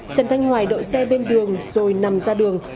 trần thanh hoài đội xe bên đường rồi nằm ra đường